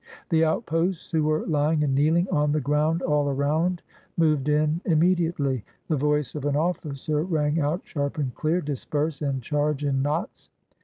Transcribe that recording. The outposts, who were lying and kneehng on the ground all around, moved in immediately. The voice of an ofiicer rang out sharp and clear: "Disperse and charge in knots."